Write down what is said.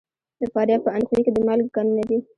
د فاریاب په اندخوی کې د مالګې کانونه دي.